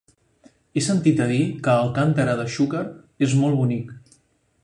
He sentit a dir que Alcàntera de Xúquer és molt bonic.